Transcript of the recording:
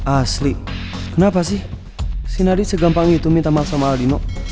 asli kenapa sih si nari segampang itu minta maaf sama aldino